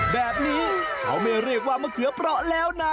แบบนี้เขาไม่เรียกว่ามะเขือเปราะแล้วนะ